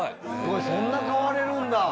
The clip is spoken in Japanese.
そんな変われるんだ！